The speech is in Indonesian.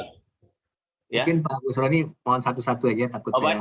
mungkin pak gus rony mohon satu satu saja